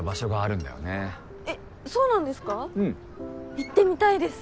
行ってみたいです。